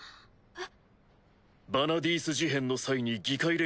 えっ？